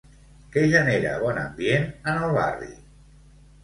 Què genera bon ambient en el barri?